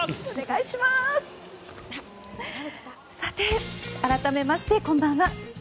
さて、改めましてこんばんは。